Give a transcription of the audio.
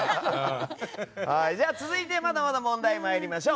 続いて、まだまだ問題に参りましょう。